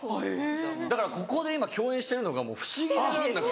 だからここで今共演してるのが不思議な。